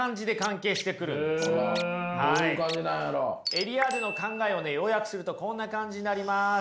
エリアーデの考えを要約するとこんな感じになります。